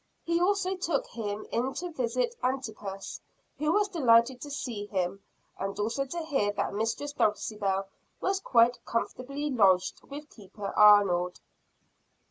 He also took him in to visit Antipas, who was delighted to see him, and also to hear that Mistress Dulcibel, was quite comfortably lodged with Keeper Arnold.